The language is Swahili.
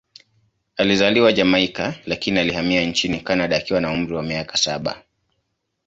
Alizaliwa Jamaika, lakini alihamia nchini Kanada akiwa na umri wa miaka saba.